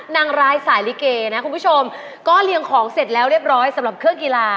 นางร้ายสายลิเกนะคุณผู้ชมก็เรียงของเสร็จแล้วเรียบร้อยสำหรับเครื่องกีฬา